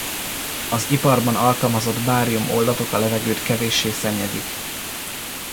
Az iparban alkalmazott bárium-oldatok a levegőt kevéssé szennyezik.